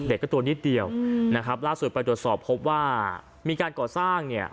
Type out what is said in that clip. เด็กก็ตัวนิดเดียวนะครับล่าสุดไปตรวจสอบพบว่ามีการก่อสร้างเนี่ย